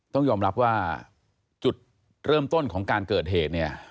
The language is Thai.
ต้องยอมรับว่าจุดเริ่มต้นของการเกิดเหตุเนี่ย